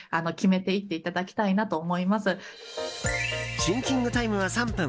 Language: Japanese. シンキングタイムは３分。